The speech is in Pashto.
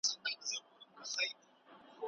د پښو مساج د وینې جریان ښه کوي.